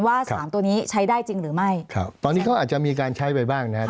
ว่าสามตัวนี้ใช้ได้จริงหรือไม่ครับตอนนี้เขาอาจจะมีการใช้ไปบ้างนะครับ